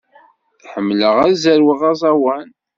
Ḥemmleɣ ad zerweɣ aẓawan.